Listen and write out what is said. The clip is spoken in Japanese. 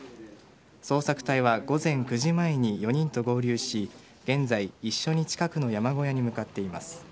捜索隊は午前９時前に４人と合流し現在、一緒に近くの山小屋に向かっています。